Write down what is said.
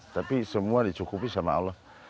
tapi semua dicukupi sama allah